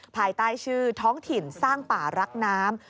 ภายใต้ชื่อท้องถิ่นสร้างป่ารักน้ำ